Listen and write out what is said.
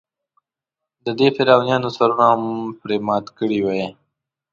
د دې فرعونانو سرونه مو پرې مات کړي وای.